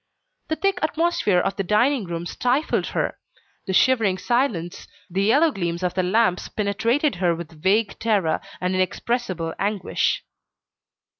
The thick atmosphere of the dining room stifled her; the shivering silence, the yellow gleams of the lamp penetrated her with vague terror, and inexpressible anguish.